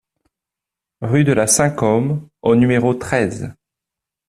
Rue de la Saint-Côme au numéro treize